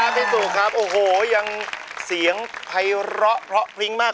พี่สุครับโอ้โหยังเสียงภัยร้อเพราะพริ้งมาก